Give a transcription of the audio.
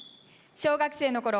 小学生のころ